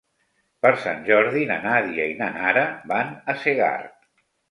Per Sant Jordi na Nàdia i na Nara van a Segart.